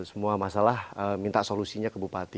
semua masalah minta solusinya ke bupati